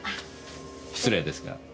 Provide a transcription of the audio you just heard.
失礼ですが。